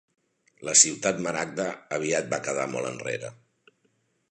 La Ciutat Maragda aviat va quedar molt enrere.